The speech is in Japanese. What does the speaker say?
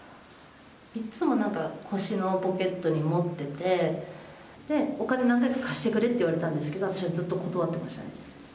いっつもなんか、腰のポケットに持ってて、で、お金何回か貸してくれって言われたんですけど、私はずっと断ってましたね。